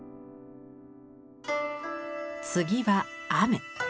次は雨。